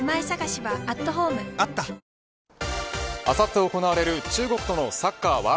あさって行われる中国とのサッカー